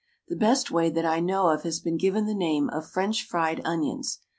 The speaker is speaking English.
The best way that I know of has been given the name of French fried onions.